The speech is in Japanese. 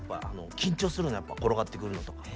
緊張するのやっぱ転がってくるのとか。